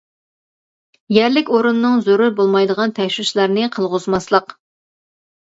يەرلىك ئورۇننىڭ زۆرۈر بولمايدىغان تەكشۈرۈشلەرنى قىلغۇزماسلىق.